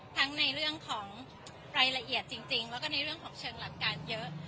ทั้งในเรื่องของรายละเอียดจริงแล้วก็ในเรื่องของเชิงหลักการเยอะ